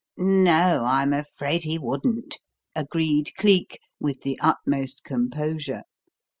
"No, I'm afraid he wouldn't," agreed Cleek, with the utmost composure.